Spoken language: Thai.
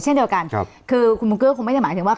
เช่นเดียวกันคือคุณมุงเกื้อคงไม่ได้หมายถึงว่า